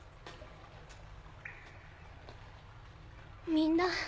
みんな。